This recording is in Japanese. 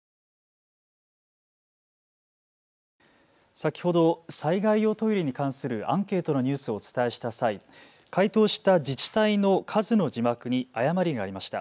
先ほど、災害用トイレに関するアンケートのニュースをお伝えした際、回答した自治体の数の字幕に誤りがありました。